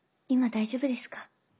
今大丈夫ですか？